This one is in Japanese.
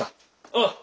ああ。